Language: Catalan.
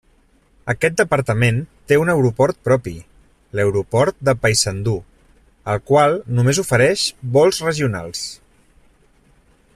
Aquest departament té un aeroport propi, l'aeroport de Paysandú, el qual només ofereix vols regionals.